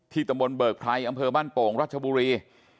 ตำบลเบิกไพรอำเภอบ้านโป่งรัชบุรี